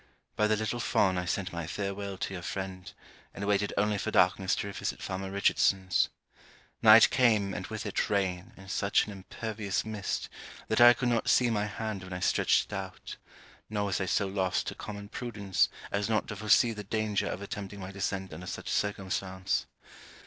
By the little fawn I sent my farewel to your friend, and waited only for darkness to revisit farmer Richardson's. Night came and with it rain and such an impervious mist that I could not see my hand when I stretched it out, nor was I so lost to common prudence as not to foresee the danger of attempting my descent under such circumstance.